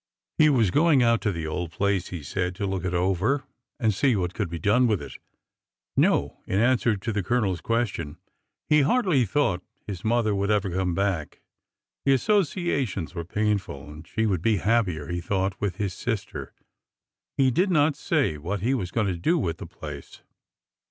He was going out to the old place, he said, to look it over and see what could be done with it. No,— in answer 395 A DAY IN JUNE to the Coloners question,— he hardly thought his mother would ever want to come back. The associations were painful, and she would be happier, he thought, with his sister. He did not say what he was going to do with the place.